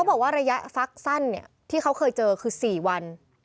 บอกว่าระยะฟักสั้นที่เขาเคยเจอคือ๔วัน